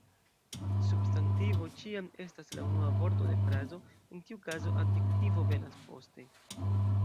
Substantivo ĉiam estas la unua vorto de frazo, en tiu kazo, adjektivo venas poste.